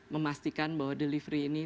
memastikan bahwa delivery ini